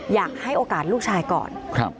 อยากให้โอกาสลูกชายก่อน